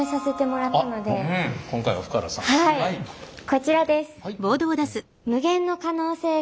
こちらです！